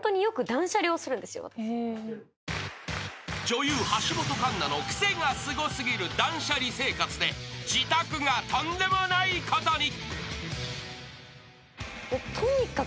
［女優橋本環奈のクセがスゴ過ぎる断捨離生活で自宅がとんでもないことに］